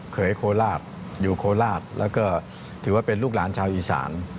เคยโคราชอยู่โคราชแล้วก็ถือว่าเป็นลูกหลานชาวอีสาน